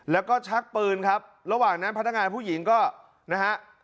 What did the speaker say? แล้วก็ชักปืนครับระหว่างนั้นพนักงานผู้หญิงก็นะฮะ